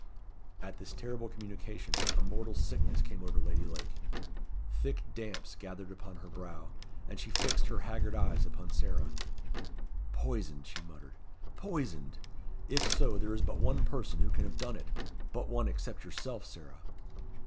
At this terrible communication, a mortal sickness came over Lady Lake. Thick damps gathered upon her brow, and she fixed her haggard eyes upon Sarah. "Poisoned!" she muttered; "poisoned! If so, there is but one person who can have done it but one except yourself, Sarah!"